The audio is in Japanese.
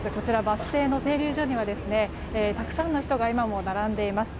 バス停の停留所にはたくさんの人が今も並んでいます。